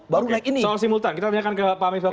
baru naik ini soal simultan kita tanyakan ke pak misbah